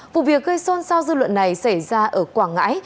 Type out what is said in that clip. vụ việc gây son sao dư luận này xảy ra ở quảng ngãi